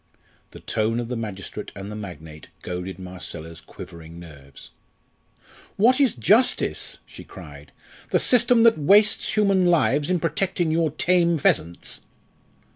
The tone of the magistrate and the magnate goaded Marcella's quivering nerves. "What is justice?" she cried; "the system that wastes human lives in protecting your tame pheasants?"